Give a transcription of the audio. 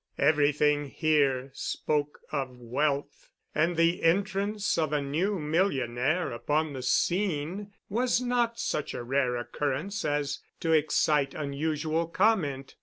Everything here spoke of wealth, and the entrance of a new millionaire upon the scene was not such a rare occurrence as to excite unusual comment.